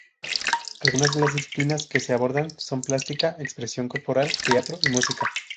Algunas de las disciplinas que se abordan son plástica, expresión corporal, teatro y música.